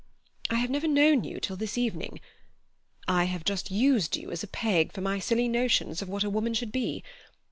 I have never known you till this evening. I have just used you as a peg for my silly notions of what a woman should be.